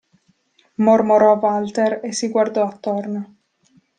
Mormorò Walter e si guardò attorno.